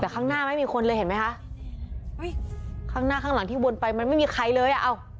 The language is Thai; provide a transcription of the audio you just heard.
แต่ข้างหน้าไม่มีคนเลยเห็นไหมคะอุ้ยข้างหน้าข้างหลังที่วนไปมันไม่มีใครเลยอ่ะเอ้า